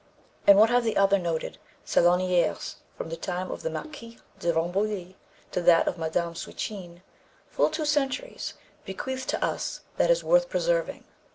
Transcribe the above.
And what have the other noted salonières from the time of the Marquise de Rambouillet to that of Mme. Swetchine full two centuries bequeathed to us that is worth preserving?